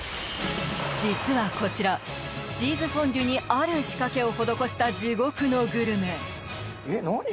実はこちらチーズフォンデュにある仕掛けを施した地獄のグルメえっ何？